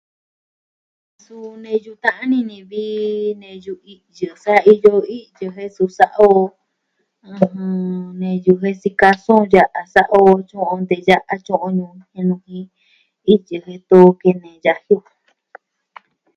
Suu neyu ta'an ini ni vi... neyu i'yɨ sa i'yɨ itu jen suu sa'a o. ijɨn... neyu jen sikasun ya'a sa'a o tyu'un o teya'a, tyu'un o ñu jen nuji, ityi jitu kene yaji o.